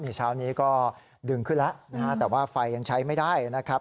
เช้านี้ก็ดึงขึ้นแล้วนะฮะแต่ว่าไฟยังใช้ไม่ได้นะครับ